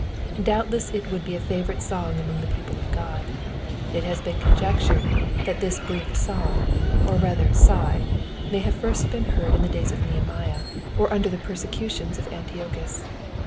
Doubtless U would be a favouriie song among the people of God, It has been conjectured that this brief song, or rather sigh, may have first been heard in the days of Xehemiah, or under the persecutions of Antiochus.